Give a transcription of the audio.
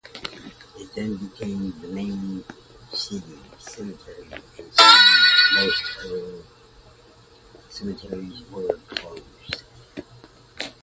It then became the main city cemetery, and soon most other cemeteries were closed.